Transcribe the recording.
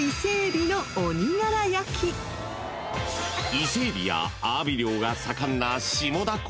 ［伊勢エビやアワビ漁が盛んな下田港］